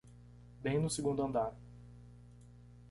Bem no segundo andar.